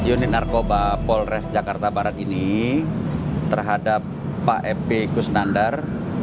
unit narkoba polres jakarta barat ini terhadap pak ep kusnandar